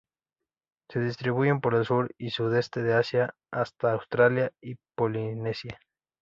Se distribuyen por el sur y sudeste de Asia hasta Australia y Polinesia.